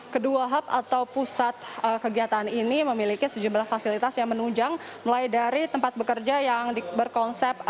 kedua hub atau pusat kegiatan ini memiliki sejumlah fasilitas yang menunjang mulai dari tempat bekerja yang berkonsep